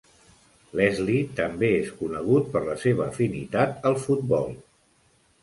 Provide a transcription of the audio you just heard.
Leslie també és conegut per la seva afinitat al futbol.